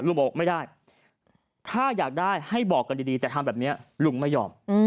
บอกไม่ได้ถ้าอยากได้ให้บอกกันดีแต่ทำแบบนี้ลุงไม่ยอม